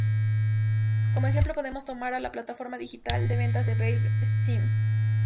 Como ejemplo podemos tomar a la plataforma digital de ventas de Valve: Steam.